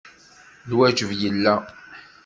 Lwajeb yella.